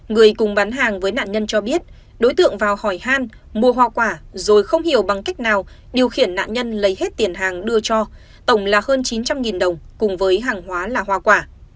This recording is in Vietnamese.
người cùng bán hàng với nạn nhân cho biết đối tượng vào hỏi han mua hoa quả rồi không hiểu bằng cách nào điều khiển nạn nhân lấy hết tiền hàng đưa cho tổng là hơn chín trăm linh đồng cùng với hàng hóa là hoa quả